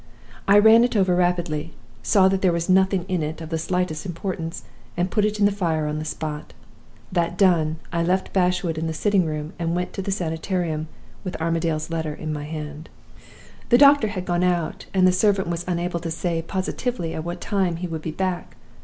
I ran it over rapidly saw that there was nothing in it of the slightest importance and put it in the fire on the spot. That done, I left Bashwood in the sitting room, and went to the Sanitarium, with Armadale's letter in my hand. "The doctor had gone out, and the servant was unable to say positively at what time he would be back.